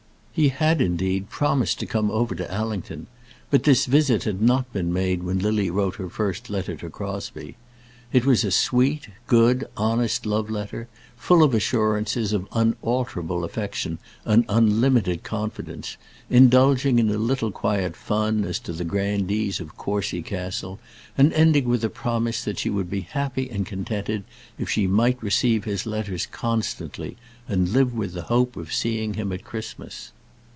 He had, indeed, promised to come over to Allington; but this visit had not been made when Lily wrote her first letter to Crosbie. It was a sweet, good, honest love letter, full of assurances of unalterable affection and unlimited confidence, indulging in a little quiet fun as to the grandees of Courcy Castle, and ending with a promise that she would be happy and contented if she might receive his letters constantly, and live with the hope of seeing him at Christmas.